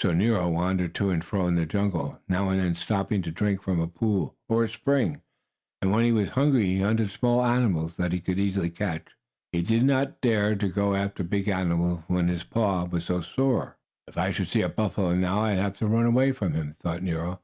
So Nero wandered to and fro in the jungle, now and then stopping to drink from a pool or a spring, and when he was hungry he hunted small animals, that he could easily catch. He did not dare to go after big animals when his paw was so sore. "If I should see a buffalo now, I'd have to run away from him," thought Nero.